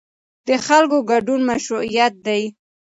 د خلکو ګډون مشروعیت دی